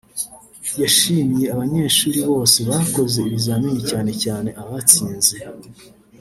yashimiye abanyeshuri bose bakoze ibizamini cyane cyane abatsinze